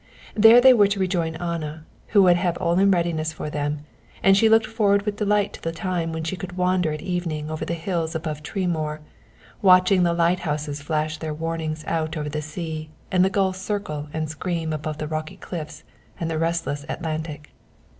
There they were to rejoin Anna, who would have all in readiness for them, and she looked forward with delight to the time when she could wander at evening over the hills above Tremoor, watching the lighthouses flash their warnings out over the sea and the gulls circle and scream above the rocky cliffs and the restless Atlantic.